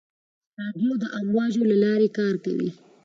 رادیو د امواجو له لارې کار کوي.